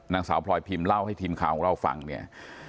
นางสาวพลอยพิมพ์เล่าให้ทีมข่าวของเราฟังเนี่ย